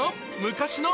昔の？